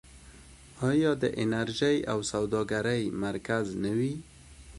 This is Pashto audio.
آیا د انرژۍ او سوداګرۍ مرکز نه وي؟